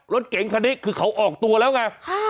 รถเก๋งคันนี้คือเขาออกตัวแล้วไง